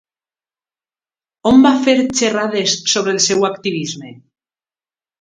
On va fer xerrades sobre el seu activisme?